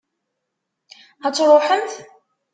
Ad truḥemt?